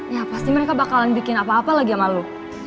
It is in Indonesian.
ya pasti mereka bakalan bikin apa apa lagi yang malu